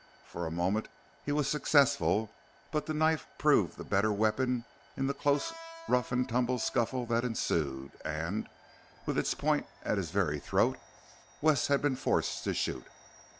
For a moment he was successful; but the knife proved the better weapon in the close rough and tumble scuffle that ensued and, with its point at his very throat, Wes had been forced to shoot.